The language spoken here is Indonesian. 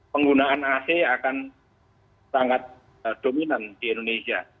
penggunaan ac akan sangat dominan di indonesia